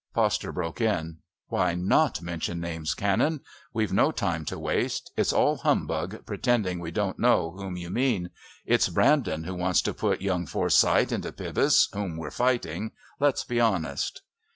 Foster broke in: "Why not mention names, Canon? We've no time to waste. It's all humbug pretending we don't know whom you mean. It's Brandon who wants to put young Forsyth into Pybus whom we're fighting. Let's be honest."